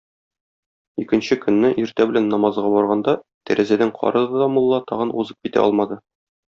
Икенче көнне, иртә белән намазга барганда, тәрәзәдән карады да мулла тагын узып китә алмады.